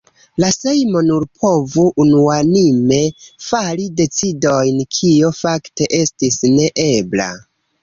La Sejmo nur povus unuanime fari decidojn, kio fakte estis ne ebla.